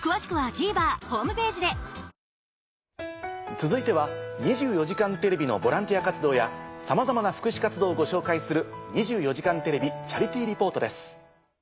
続いては『２４時間テレビ』のボランティア活動やさまざまな福祉活動をご紹介する。